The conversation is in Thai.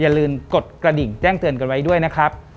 อย่าลืมกดกระดิ่งแจ้งเตือนกันไว้ด้วยนะครับ